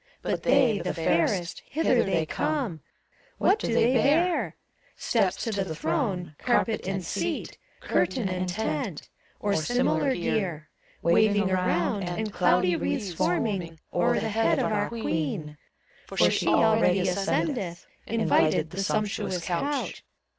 But they, the fairest, Hither they come : What do they bear? Steps to the throne Carpet and seat, Curtain and tent. Or similar gear; Waving around, and Cloudy wreaths forming O'er the head of our Queen; For she already ascendeth. Invited, the sumptuous couch.